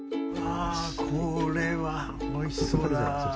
わぁこれはおいしそうだ。